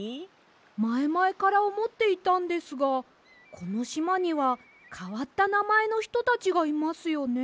まえまえからおもっていたんですがこのしまにはかわったなまえのひとたちがいますよね。